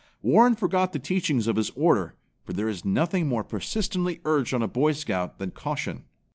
Warren forgot the teachings of his order, for there is nothing more persistently urged on a Boy Scout than caution.